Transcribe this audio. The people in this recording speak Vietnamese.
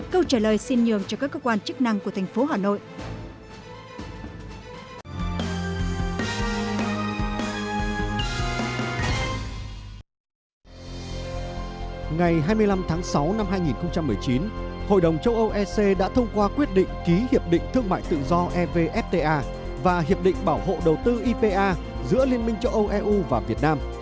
câu trả lời xin nhường cho các cơ quan chức năng của thành phố hà nội